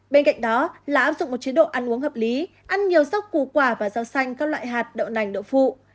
bên cạnh đó là áp dụng một chế độ ăn uống hợp lý ăn nhiều dốc củ quả và rau xanh các loại hạt đậu nành đậu phụ